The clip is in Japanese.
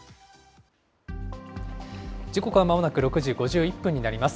時刻はまもなく６時５１分になります。